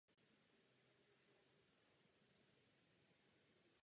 Řeší též zmizení místních lovců perel.